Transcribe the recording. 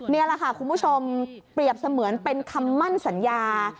นี่แหละค่ะคุณผู้ชมเปรียบเสมือนเป็นคำมั่นสัญญา